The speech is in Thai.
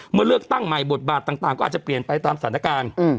เลือกตั้งใหม่บทบาทต่างก็อาจจะเปลี่ยนไปตามสถานการณ์